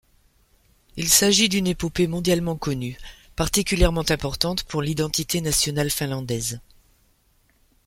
Il s'agit d'une épopée mondialement connue, particulièrement importante pour l'identité nationale finlandaise.